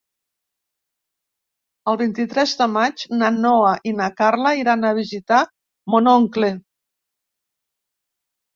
El vint-i-tres de maig na Noa i na Carla iran a visitar mon oncle.